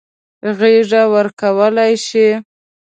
غېږه ورکولای شي.